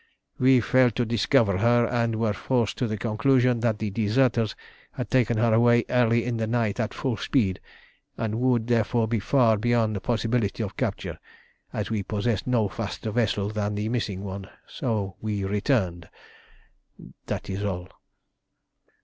"We failed to discover her, and were forced to the conclusion that the deserters had taken her away early in the night at full speed, and would, therefore, be far beyond the possibility of capture, as we possessed no faster vessel than the missing one. So we returned. That is all."